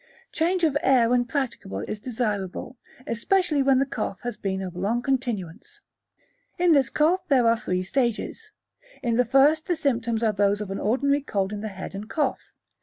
Change of air when practicable is desirable, especially when the cough has been of long continuance. In this cough there are three stages. In the first the symptoms are those of an ordinary cold in the head and cough.